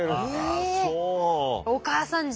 ああそう。